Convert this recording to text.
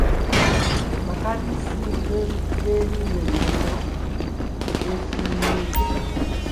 Abatandisi b’ennyinyonnyolero y’Ekinneeyisa